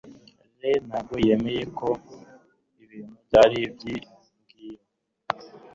lee ntabwo yemeye ko ibintu byari byiringiro